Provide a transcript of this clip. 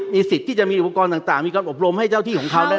มีสิทธิ์ที่จะมีอุปกรณ์ต่างมีการอบรมให้เจ้าที่ของเขานั้น